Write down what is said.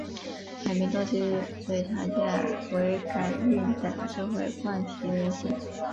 改名动机最常见为改运等社会惯习迷信。